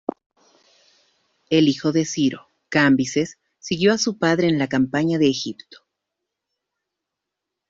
El hijo de Ciro, Cambises, siguió a su padre en la campaña de Egipto.